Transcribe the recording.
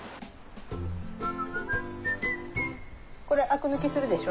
これアク抜きするでしょ？